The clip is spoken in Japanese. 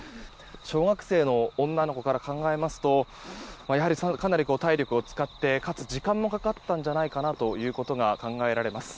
小学生の女の子から考えますとやはりかなり体力を使ってかつ、時間もかかったんじゃないかなと考えられます。